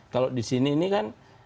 kalau di sini ini kan